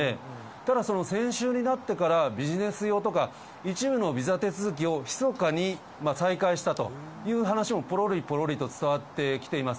ただ、先週になってから、ビジネス用とか、一部のビザ手続きをひそかに再開したという話も、ぽろりぽろりと伝わってきています。